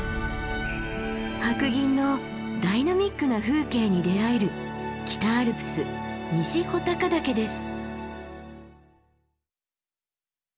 白銀のダイナミックな風景に出会える北アルプス西穂高岳です。